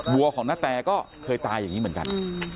วัวของณแตก็เคยตายอย่างนี้เหมือนกัน